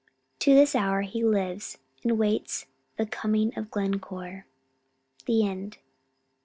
To this hour he lives, and waits the "coming of Glencore." THE END.